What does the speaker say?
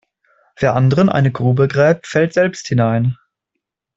Wer anderen eine Grube gräbt fällt selbst hinein.